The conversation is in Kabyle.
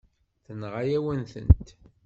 Tenɣa-yawen-tent.